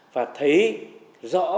và thấy rõ